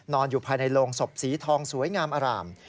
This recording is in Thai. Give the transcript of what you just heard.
อยู่ภายในโรงศพสีทองสวยงามอร่าม